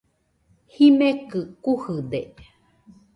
Jimekɨ kujɨde.